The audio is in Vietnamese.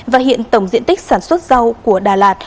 và hiện tổng diện tích sản xuất rau của đà lạt